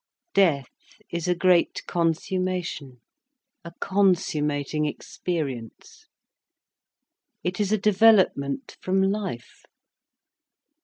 Death is a great consummation, a consummating experience. It is a development from life.